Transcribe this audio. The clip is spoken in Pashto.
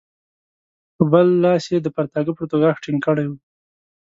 په بل لاس یې د پرتاګه پرتوګاښ ټینګ کړی وو.